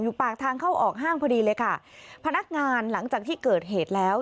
ปากทางเข้าออกห้างพอดีเลยค่ะพนักงานหลังจากที่เกิดเหตุแล้ว